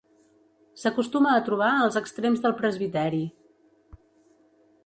S'acostuma a trobar als extrems del presbiteri.